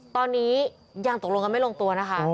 ตอนนี้ยังตกลงกันไม่ลงตัวนะคะ